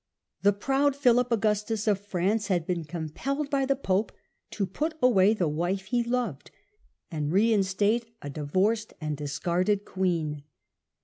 The proud Philip Augustus of France had been compelled by the Pope to put away the wife he loved and reinstate a divorced and discarded Queen.